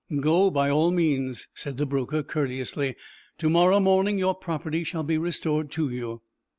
"Go, by all means," said the broker, courteously. "To morrow morning your property shall be restored to you."